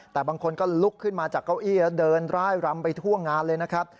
แต่บางคนก็ลุกขึ้นมาจากเก้าอี้แล้วเดินร่ายรำไปทั่วงานเลยนะครับ